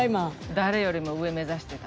誰よりも上目指してた。